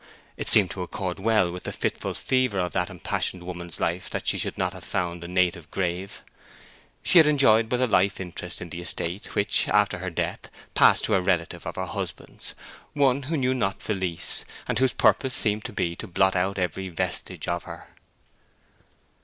It seemed to accord well with the fitful fever of that impassioned woman's life that she should not have found a native grave. She had enjoyed but a life interest in the estate, which, after her death, passed to a relative of her husband's—one who knew not Felice, one whose purpose seemed to be to blot out every vestige of her.